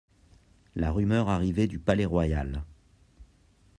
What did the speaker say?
La rumeur arrivait du Palais-Royal.